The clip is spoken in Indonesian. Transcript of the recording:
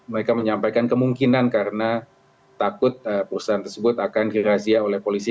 mereka menyampaikan kemungkinan karena takut perusahaan tersebut akan dirazia oleh polisi